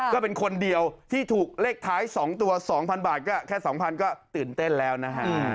ก็เป็นคนเดียวที่ถูกเลขท้าย๒ตัว๒๐๐บาทก็แค่๒๐๐ก็ตื่นเต้นแล้วนะฮะ